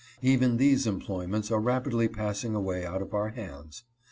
Even these employments are rapidly passing away out of our hands.